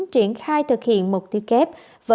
triển khai thực hiện mục tiêu kép